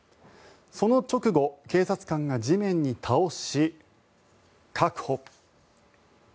その直後警察官が地面に倒し、確保。